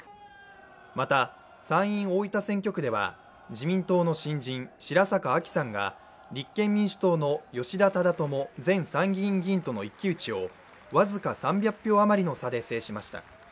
また、参院・大分選挙区では自民党の新人・白坂亜紀さんが立憲民主党の吉田忠智前参院議員との一騎打ちを僅か３００票余りの差で制しました